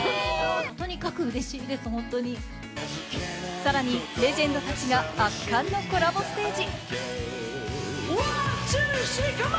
さらにレジェンドたちが圧巻のコラボステージ。